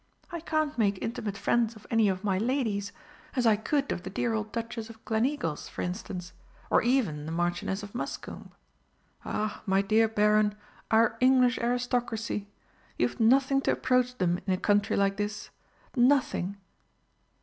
I can't make intimate friends of any of my ladies, as I could of the dear old Duchess of Gleneagles, for instance, or even the Marchioness of Muscombe. Ah, my dear Baron, our English aristocracy! You've nothing to approach them in a country like this nothing!"